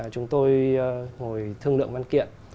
chúng tôi ngồi thương lượng văn kiện